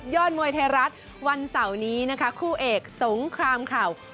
ยอดมวยเทราะวันเสาร์นี้นะคะคู่เอกสงครามข่าว